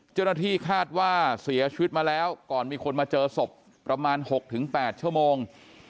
เจ้าหน้าที่คาดว่าเสียชีวิตมาแล้วก่อนมีคนมาเจอศพประมาณ๖๘ชั่วโมง